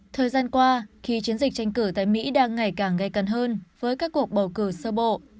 thời gian qua khi chiến dịch tranh cử tại mỹ đang ngày càng gây cần hơn với các cuộc bầu cử sơ bộ